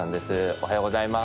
おはようございます。